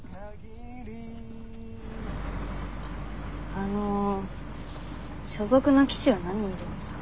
あの所属の騎手は何人いるんですか？